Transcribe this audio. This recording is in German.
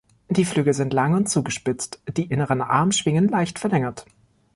Die Flügel sind lang und zugespitzt, die inneren Armschwingen leicht verlängert.